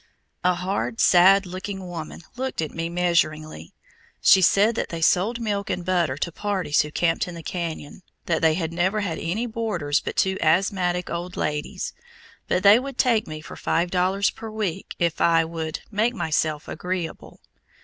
A hard, sad looking woman looked at me measuringly. She said that they sold milk and butter to parties who camped in the canyon, that they had never had any boarders but two asthmatic old ladies, but they would take me for five dollars per week if I "would make myself agreeable."